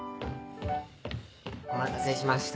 お待たせしました。